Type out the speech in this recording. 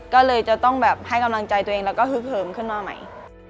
ก็เลยจะต้องแบบให้กำลังใจตัวเองแล้วก็ฮึกเหิมขึ้นมาใหม่